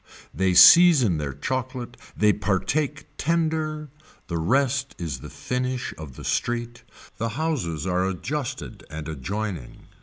They season their chocolate, they partake tender, the rest is the finish of the street, the houses are adjusted and adjoining.